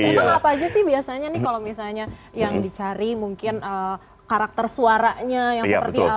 biasanya sih biasanya nih kalau misalnya yang dicari mungkin karakter suaranya yang seperti apa